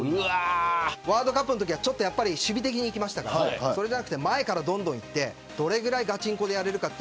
ワールドカップのときは守備的にいきましたがそうじゃなくて前からどんどんいってどれぐらいがちんこでやれるか。